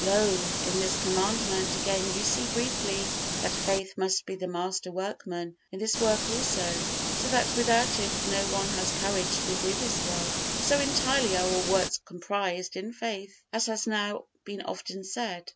Lo, in this Commandment again you see briefly that faith must be the master workman in this work also, so that without it no one has courage to do this work: so entirely are all works comprised in faith, as has now been often said.